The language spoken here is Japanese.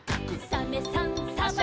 「サメさんサバさん」